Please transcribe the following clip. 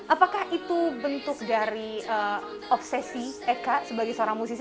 apakah itu bentuk dari obsesi eka sebagai seorang musisi